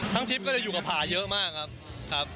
ทั้งทิศก็เลยอยู่กับผาเยอะมากครับ